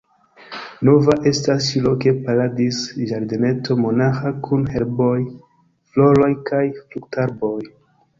Nova estas ĉi-loke paradiz-ĝardeneto monaĥa kun herboj, floroj kaj fruktarboj.